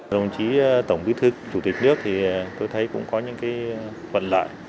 đồng chí tổng bí thư chủ tịch nước tôi thấy cũng có những thuận lợi